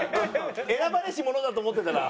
選ばれし者だと思ってたら？